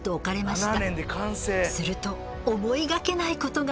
すると思いがけないことが！